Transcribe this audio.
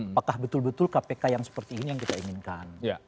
apakah betul betul kpk yang seperti ini yang kita inginkan